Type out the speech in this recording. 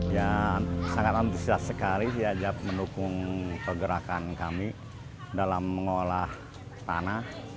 ya sangat antusias sekali diajak mendukung pergerakan kami dalam mengolah tanah